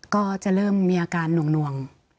ก็จะเริ่มมีอาการหน่วง